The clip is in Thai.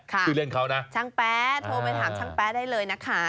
ชื่อเล่นเขานะช่างแป๊โทรไปถามช่างแป๊ะได้เลยนะคะ